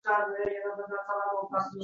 Desin, ona, deb ko'rsin?!